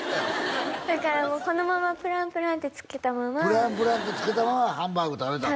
だからもうこのままプランプランってつけたままプランプランってつけたままハンバーグ食べたん？